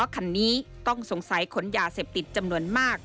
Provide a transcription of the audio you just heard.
คันนี้ต้องสงสัยขนยาเสพติดจำนวนมาก